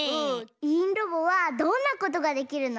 いいんロボはどんなことができるの？